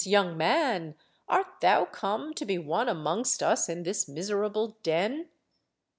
young man, art thou come to be one amongst us in this miserable den?"